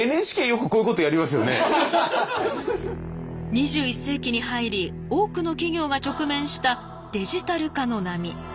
２１世紀に入り多くの企業が直面したデジタル化の波。